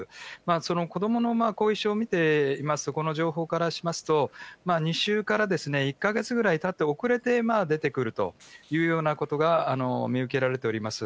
その子どもの後遺症を見ていますと、この情報からしますと、２週から１か月ぐらいたって、遅れて出てくるというようなことが見受けられております。